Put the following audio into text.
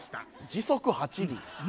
時速８里？